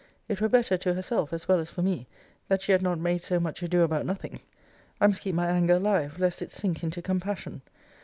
It were better to herself, as well as for me, that she had not made so much ado about nothing. I must keep my anger alive, lest it sink into compassion.